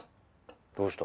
どうした？